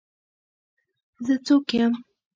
زه څوک یم.